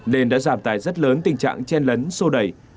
nên đã giảm tài rất lớn tình trạng chen lấn sô đẩy